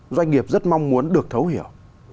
doanh nghiệp rất mong muốn được thấu hiểu